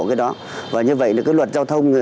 cái đó và như vậy là cái luật giao thông